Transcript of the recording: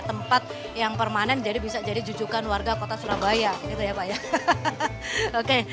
tempat yang permanen jadi bisa jadi jujukan warga kota surabaya gitu ya pak ya oke